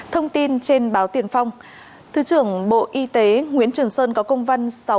thông tin trên báo tiền phong thứ trưởng bộ y tế nguyễn trường sơn có công văn sáu trăm hai mươi tám